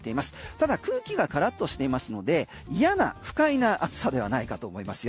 ただ空気がからっとしていますので嫌な、不快な暑さではないかと思いますよ。